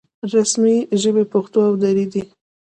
رسمي ژبې پښتو او دري دي